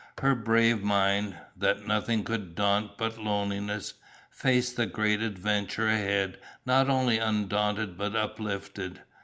Her brave mind, that nothing could daunt but loneliness, faced the great adventure ahead not only undaunted but uplifted.